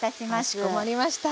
かしこまりました。